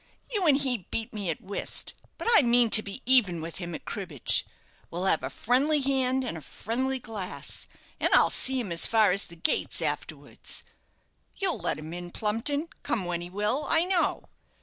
You and he beat me at whist, but I mean to be even with him at cribbage. We'll have a friendly hand and a friendly glass, and I'll see him as far as the gates afterwards. You'll let him in, Plumpton, come when he will, I know.